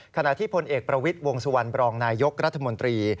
ขณะที่พลเอกประวิทย์วงสุวรรณบรองนายยกรัฐมนตรี